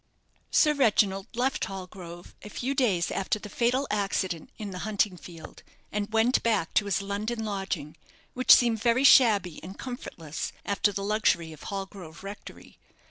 Sir Reginald left Hallgrove a few days after the fatal accident in the hunting field, and went back to his London lodging, which seemed very shabby and comfortless after the luxury of Hallgrove Rectory.